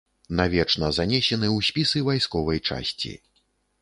Навечна занесены ў спісы вайсковай часці.